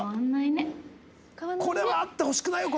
これは会ってほしくないよ。